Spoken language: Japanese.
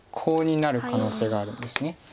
コウになる可能性があるんです。